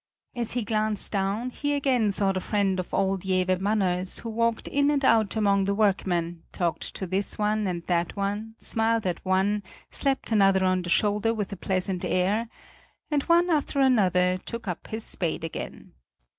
As he glanced down he again saw the friend of old Jewe Manners, who walked in and out among the workmen, talked to this one and that one, smiled at one, slapped another on the shoulder with a pleasant air and one after another took up his spade again.